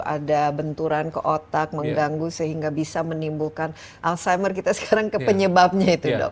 ada benturan ke otak mengganggu sehingga bisa menimbulkan alzheimer kita sekarang ke penyebabnya itu dok